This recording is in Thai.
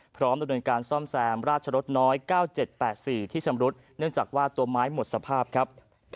พร้อมด้วยการซ่อมแซมราชรสน้อยเก้าเจ็ดแปดสี่ที่ชำรุษเนื่องจากว่าตัวไม้หมดสภาพครับ